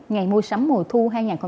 ngày mua sắm mùa thu hai nghìn một mươi tám